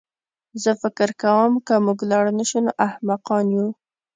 زه فکر کوم که موږ لاړ نه شو نو احمقان یو